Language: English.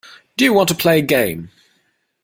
Do you want to play a game.